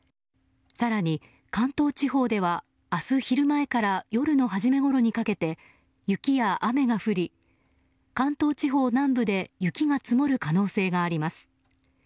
更に、関東地方では明日昼前から夜の初めごろにかけて雪や雨が降り、関東地方南部で雪が積もる可能性があります。